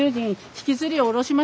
引きずり下ろして。